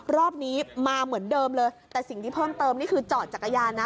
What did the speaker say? รอบนี้มาเหมือนเดิมเลยแต่สิ่งที่เพิ่มเติมนี่คือจอดจักรยานนะ